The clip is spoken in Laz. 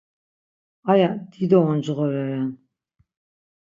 Aya dido oncğore ren.